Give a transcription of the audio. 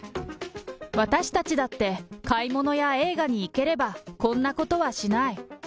私たちだって買い物や映画に行ければ、こんなことはしない。